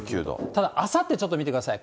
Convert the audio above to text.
ただあさってちょっと見てください。